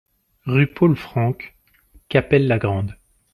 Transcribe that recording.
Rue Paul Francke, Cappelle-la-Grande